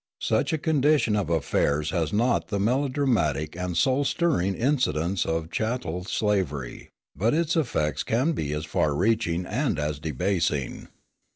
Such a condition of affairs has not the melodramatic and soul stirring incidents of chattel slavery, but its effects can be as far reaching and as debasing.